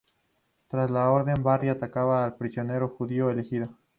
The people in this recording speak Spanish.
Tras la orden, Barry atacaba al prisionero judío elegido.